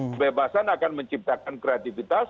kebebasan akan menciptakan kreativitas